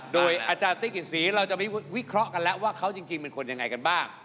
โดยอาจารย์ติ๊กศรีเราจะไปวิเคราะห์กันแล้วว่าเขาจริงเป็นคนยังไงกันบ้าง